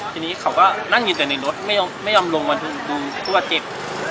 ทีนี้เขาก็นั่งอยู่ตรงเน็ตรถไม่ยอมลงมาลงชั่วเก็บ